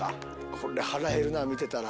これ腹へるな見てたら。